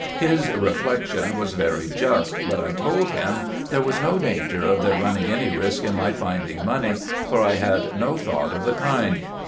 His reflection was very just, but I told him there was no danger of their running any risk in my finding money, for I had no thought of the kind.